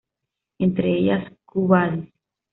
Entre ellas "Quo Vadis?